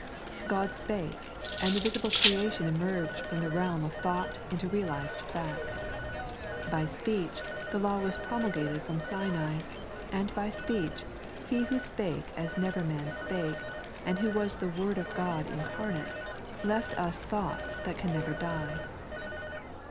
Ood spake, and the visible creation emerged from the realm of thought into realized fa43t. By speech the Law was promulgated from Sinai ; and by speech He who spake as never man spake, and who was the Word of Ood in carnate, left us thoughts that can never die.